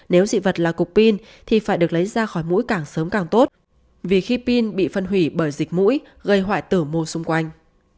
nếu dị vật là cục pin thì phải được lấy ra khỏi mũi càng sớm càng tốt vì khi pin bị phân hủy bởi dịch mũi gây hoại tử mô xung quanh